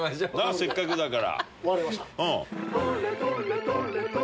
せっかくだから。